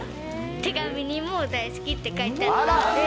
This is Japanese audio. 手紙にも大好きって書いてあったので。